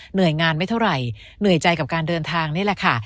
เหนื่อยงานไม่เท่าไหร่เหนื่อยใจกับการเดินทางนี่แหละค่ะ